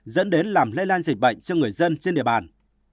dẫn đến làm lây lan dịch bệnh cho người dân trên địa bàn